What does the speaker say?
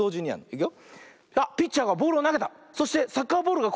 いくよ。